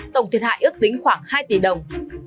tổng thiệt hại ước tính khoảng hai tỷ đồng